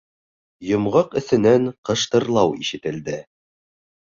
Йомғаҡ эсенән ҡыштырлау ишетелде.